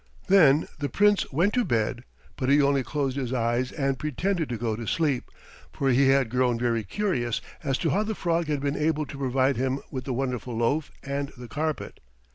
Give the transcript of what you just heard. Then the Prince went to bed, but he only closed his eyes and pretended to go to sleep, for he had grown very curious as to how the frog had been able to provide him with the wonderful loaf and the carpet.